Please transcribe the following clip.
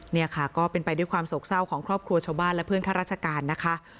นี่ค่ะก็เป็นไปด้วยความโศกเศร้าของครอบครัวชาวบ้านและเพื่อนข้าราชการนะคะ